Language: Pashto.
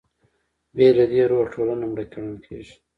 بې له دې روحه ټولنه مړه ګڼل کېږي.